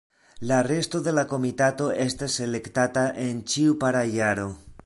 La resto de la komitato estas elektata en ĉiu para jaro.